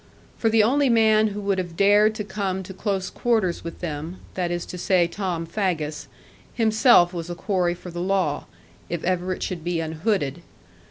For the only man who would have dared to come to close quarters with them, that is to say Tom Faggus, himself was a quarry for the law, if ever it should be unhooded.